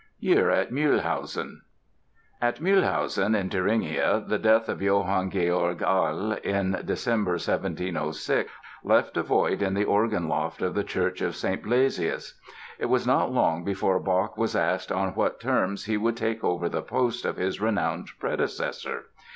YEAR AT MÜHLHAUSEN At Mühlhausen, in Thuringia, the death of Johann Georg Ahle, in December 1706, left a void in the organ loft of the Church of St. Blasius. It was not long before Bach was asked on what terms he would take over the post of his renowned predecessor.